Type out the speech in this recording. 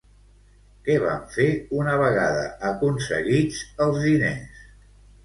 Què van fer una vegada aconseguits els diners?